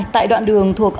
tại đoạn đường thuộc ấn độ